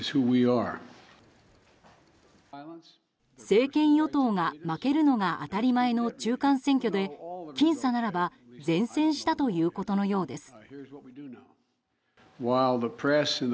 政権与党が負けるのが当たり前の中間選挙で僅差ならば善戦したということのようです。